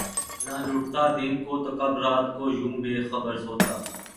نہ لٹتا دن کو‘ تو کب رات کو یوں بے خبر سوتا!